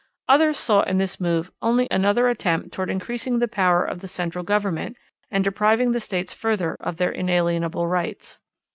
Others saw in this move only another attempt toward increasing the power of the central government, and depriving the states further of their inalienable rights.